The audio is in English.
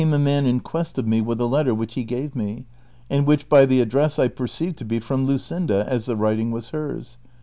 But four days later there came a man in quest of me with a letter which he gave me, and w^hich by the address I perceived to be from Luscinda, as the writing was hers.